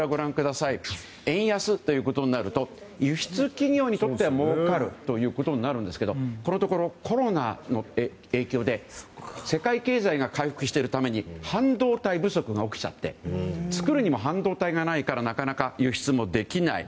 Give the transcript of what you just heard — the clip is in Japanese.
円安ということになると輸出企業にとってはもうかるということになるんですがこのところコロナの影響で世界経済が回復しているために半導体不足が起きちゃって作るにも半導体がないからなかなか輸出もできない。